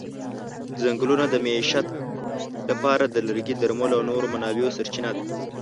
ځنګلونه د معیشت لپاره د لرګي، درملو او نورو منابعو سرچینه ده.